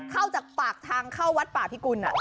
เข้าจากปากทางเข้าวัดป่าพิกุล